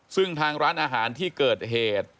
ซึ่งทางร้านอาหารที่เกิดเหตุ